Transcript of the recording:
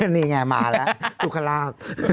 นี่ไงมาแล้วตุ๊กฮาราค